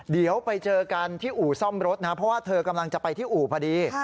เดี๋ยวไปเจอกันที่อู่ซ่อมรถนะครับเพราะว่าเธอกำลังจะไปที่อู่พอดี